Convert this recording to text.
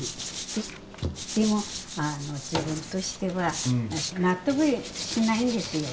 でもあの自分としては納得しないんですよ